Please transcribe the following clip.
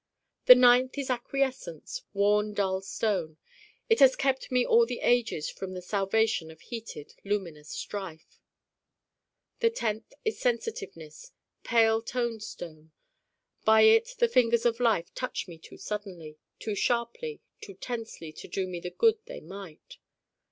the ninth is Acquiescence, worn dull stone it has kept me all the ages from the salvation of heated luminous strife. the tenth is Sensitiveness, pale toned stone by it the fingers of life touch me too suddenly, too sharply, too tensely to do me the good they might.